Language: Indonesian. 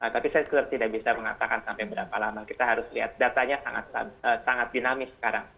tapi saya tidak bisa mengatakan sampai berapa lama kita harus lihat datanya sangat dinamis sekarang